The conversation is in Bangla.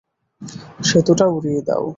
সেতুটা উড়িয়ে দাও!